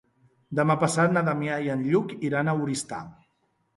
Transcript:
Demà passat na Damià i en Lluc iran a Oristà.